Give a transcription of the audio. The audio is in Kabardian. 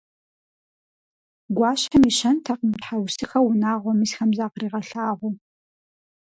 Гуащэм и щэнтэкъым тхьэусыхэу унагъуэм исхэм закъригъэлъагъуу.